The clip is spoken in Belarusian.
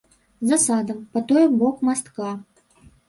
За садам, па той бок мастка.